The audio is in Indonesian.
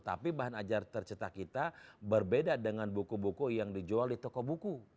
tapi bahan ajar tercetak kita berbeda dengan buku buku yang dijual di toko buku